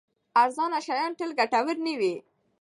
ارزانه شیان تل ګټور نه وي.